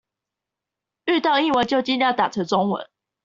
遇到英文就儘量打成中文